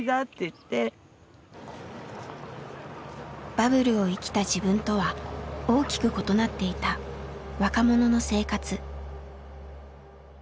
バブルを生きた自分とは大きく異なっていた若者の生活。